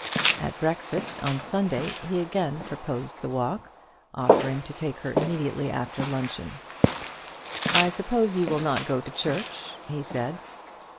At breakfast on Sunday he again proposed the walk, offering to take her immediately after luncheon. "I suppose you will not go to church?" he said.